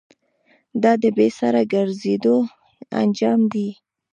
دا د بې سره گرځېدو انجام دی.